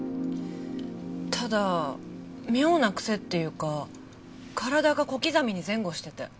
ただ妙な癖っていうか体が小刻みに前後してて。